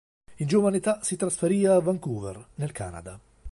In giovane età si trasferì a Vancouver, nel Canada.